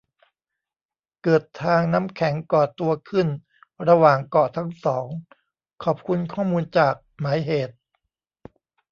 เกิดทางน้ำแข็งก่อตัวขึ้นระหว่างเกาะทั้งสอง ขอบคุณข้อมูลจาก หมายเหตุ